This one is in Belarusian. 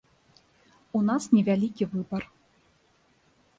У нас невялікі выбар.